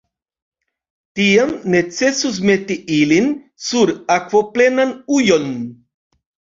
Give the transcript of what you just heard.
Tiam necesus meti ilin sur akvoplenan ujon.